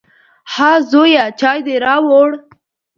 _ها زويه، چای دې راووړ؟